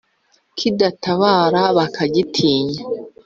Kidatabara bakagitinya